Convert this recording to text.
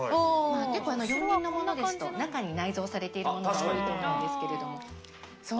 結構４輪のものですと中に内蔵されているものが多いと思うんですけれども。